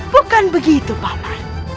bukan begitu paman